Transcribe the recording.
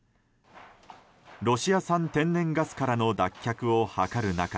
ロシア産天然ガスからの脱却を図る中